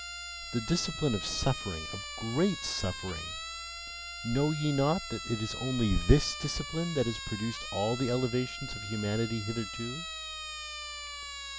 The discipline of suffering, of GREAT suffering know ye not that it is only THIS discipline that has produced all the elevations of humanity hitherto?